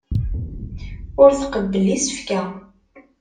Ur tqebbel isefka.